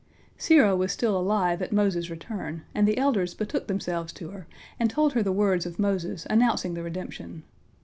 Serah was still alive at Moses' return, and the elders betook themselves to her, and told her the words of Moses announcing the redemption.